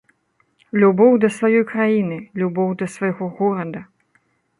Любоў да сваёй краіны, любоў да свайго горада.